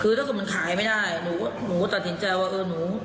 คือถ้าคุณมันขายไม่ได้หนูก็หนูก็ตัดสินใจว่าเออหนู